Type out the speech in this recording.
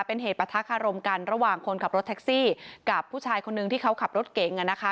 เป็นเหตุประทะคารมกันระหว่างคนขับรถแท็กซี่กับผู้ชายคนนึงที่เขาขับรถเก๋งอ่ะนะคะ